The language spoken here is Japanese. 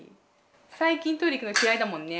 最近トイレ行くの嫌いだもんね。